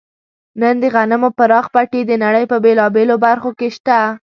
نن د غنمو پراخ پټي د نړۍ په بېلابېلو برخو کې شته.